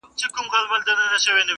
چي په اغزیو د جنون دي نازولی یمه٫